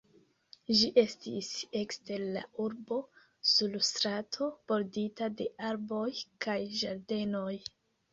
Ĝi estis ekster la urbo sur strato bordita de arboj kaj ĝardenoj.